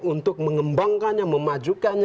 untuk mengembangkannya memajukannya